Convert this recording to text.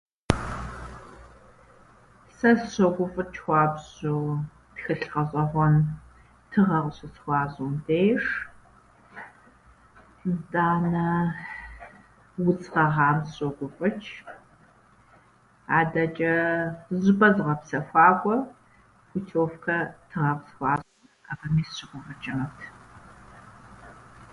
Сэ сыщогуфӏыкӏ хуабжьу тхылъ гъэщӏэгъуэн тыгъэ къыщысхуащӏым деж, нтӏанэ удз гъэгъам сыщогуфӏыкӏ, адэкӏэ зы щӏыпӏэ зыгъэпсэхуакӏуэ путёвкэ тыгъэ къысхуащӏмэ, абыми сыщыгуфӏыкӏынут.